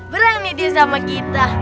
berani dia sama kita